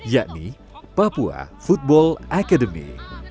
yakni papua football academy